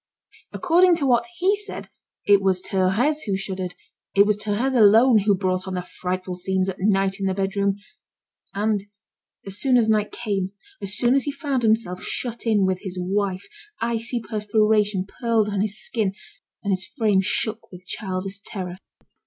According to what he said, it was Thérèse who shuddered, it was Thérèse alone who brought on the frightful scenes, at night, in the bedroom. And, as soon as night came, as soon as he found himself shut in with his wife, icy perspiration pearled on his skin, and his frame shook with childish terror.